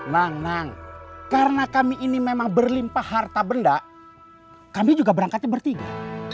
nanang karena kami ini memang berlimpah harta benda kami juga berangkatnya bertiga